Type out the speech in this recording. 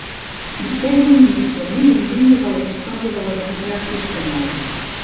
Vostè és el ministre més indigne de la història de la democràcia espanyola.